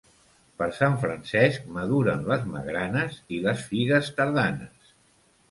Per Sant Francesc maduren les magranes i les figues tardanes.